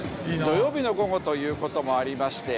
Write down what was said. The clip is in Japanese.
土曜日の午後という事もありまして